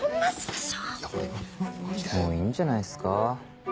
もういいんじゃないっすか？